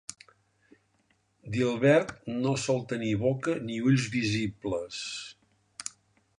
Dilbert no sol tenir boca ni ulls visibles.